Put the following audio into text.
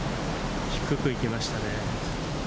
低く行きましたね。